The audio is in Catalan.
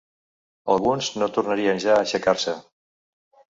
Alguns no tornarien ja a aixecar-se.